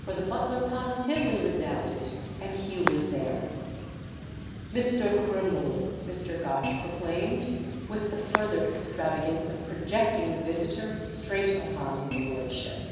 For the butler positively resounded, and Hugh was there. "Mr. Crimble!" Mr. Gotch proclaimed—with the further extravagance of projecting the visitor straight upon his lordship.